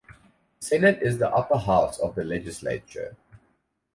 The Senate is the upper house of the Legislature.